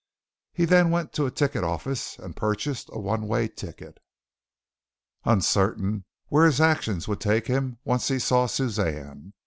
He then went to a ticket office and purchased a one way ticket, uncertain where his actions would take him once he saw Suzanne.